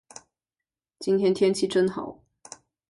今天天气真好。